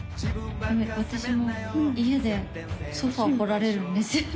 私も家でソファー掘られるんですよね